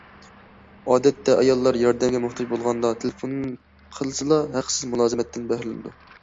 ئادەتتە، ئاياللار ياردەمگە موھتاج بولغاندا تېلېفون قىلسىلا ھەقسىز مۇلازىمەتتىن بەھرىلىنىدۇ.